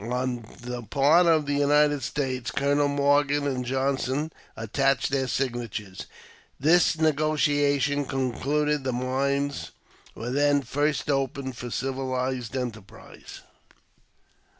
On the part of the United States, Colonels Morgan and Johnson attached their signatures. This negotiation concluded, the mines were then first opened for civilized enterprise.